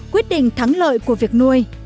quyết định thắng lợi của việc nuôi